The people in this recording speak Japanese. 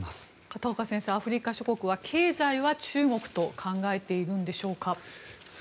片岡先生、アフリカ諸国は経済は中国と考えているのでしょうか。